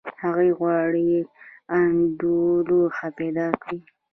هغه غواړي اړوند لوحه پیدا کړي.